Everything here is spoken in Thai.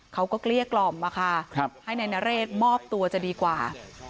เกลี้ยกล่อมมาค่ะให้นายนเรศมอบตัวจะดีกว่า